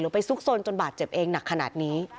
ไปซุกซนจนบาดเจ็บเองหนักขนาดนี้